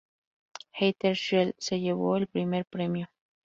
Heather Shields se llevó el primer premio.